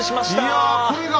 いやこれが！